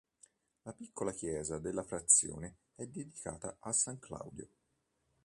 La piccola chiesa della frazione è dedicata a San Claudio.